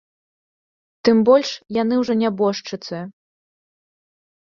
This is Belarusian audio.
Тым больш, яны ўжо нябожчыцы.